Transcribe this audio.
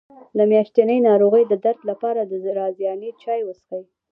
د میاشتنۍ ناروغۍ درد لپاره د رازیانې چای وڅښئ